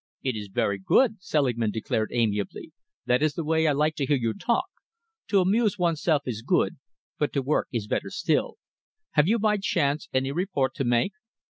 "It is very good," Selingman declared amiably. "That is the way I like to hear you talk. To amuse oneself is good, but to work is better still. Have you, by chance, any report to make?"